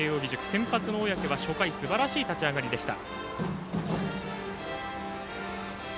先発の小宅は初回すばらしい立ち上がりでした。